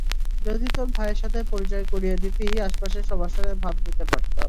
যদি তোর ভাইয়ের সাথে পরিচয় করিয়ে দিতি, আশেপাশে সবার সাথে ভাব নিতে পারতাম।